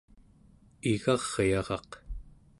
igaryaraq